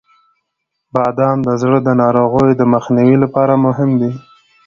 • بادام د زړه د ناروغیو د مخنیوي لپاره مهم دی.